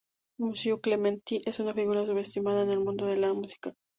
Muzio Clementi es una figura subestimada en el mundo de la música.